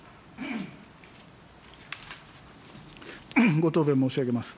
ご答弁申し上げます。